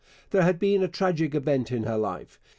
There had been a tragic event in her life.